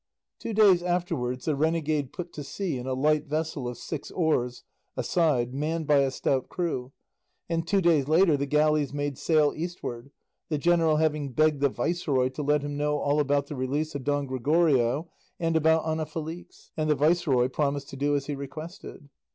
Two days afterwards the renegade put to sea in a light vessel of six oars a side manned by a stout crew, and two days later the galleys made sail eastward, the general having begged the viceroy to let him know all about the release of Don Gregorio and about Ana Felix, and the viceroy promised to do as he requested.